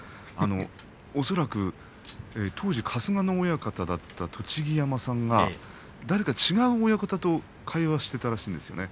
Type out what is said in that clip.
恐らく当時春日野親方だった栃木山さんが誰か違う親方と会話をしていたらしいんですね